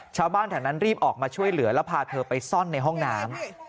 ชาวบ้านแถวนั้นรีบออกมาช่วยเหลือแล้วพาเธอไปซ่อนในห้องน้ำ